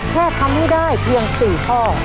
แค่ทำให้ได้เพียง๔ข้อ